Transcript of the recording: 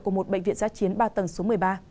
của một bệnh viện giá chiến ba tầng số một mươi ba